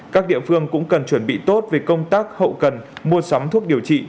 các địa phương cũng cần chuẩn bị tốt về công tác hậu cần mua sắm thuốc điều trị